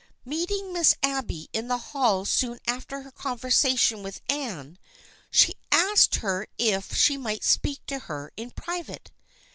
Meeting Miss Abby in the hall soon after her conversation with Anne, she asked her if she might speak to her in private.